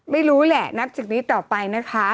ไม่รู้แหละนับจากนี้ต่อไปนะคะ